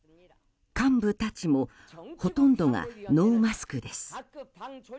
幹部たちもほとんどがノーマスクです。